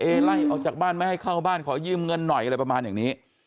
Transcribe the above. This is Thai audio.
ไล่ออกจากบ้านไม่ให้เข้าบ้านขอยืมเงินหน่อยอะไรประมาณอย่างนี้